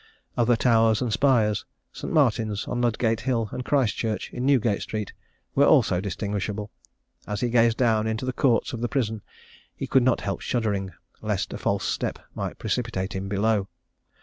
Other towers and spires; St. Martin's, on Ludgate hill, and Christ Church, in Newgate street, were also distinguishable. As he gazed down into the courts of the prison, he could not help shuddering, lest a false step might precipitate him below.